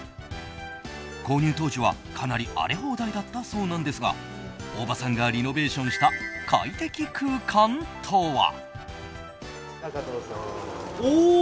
購入当時は、かなり荒れ放題だったそうなんですが大場さんがリノベーションした快適空間とは。